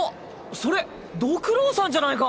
それどくろうさんじゃないか！？